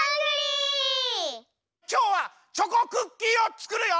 きょうはチョコクッキーをつくるよ。